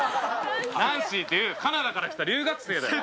ナンシーっていうカナダから来た留学生だよ